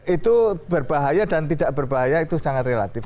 itu berbahaya dan tidak berbahaya itu sangat relatif